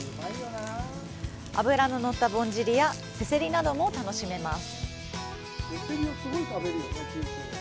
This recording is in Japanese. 脂の乗ったぼんじりやせせりなども楽しめます。